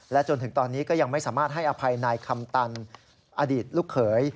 จนถึงตอนนี้ก็ยังไม่สามารถให้อภัยนายคำตันอดีตลูกเขย